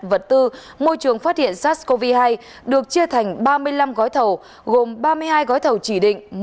vật tư môi trường phát hiện sars cov hai được chia thành ba mươi năm gói thầu gồm ba mươi hai gói thầu chỉ định